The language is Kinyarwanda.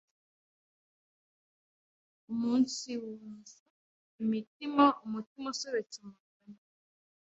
umunsibunza imitima, umutima usobetse amaganya